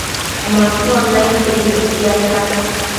Machon naidtedi mëquiadta